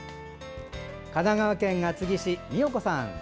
神奈川県厚木市美代子さん。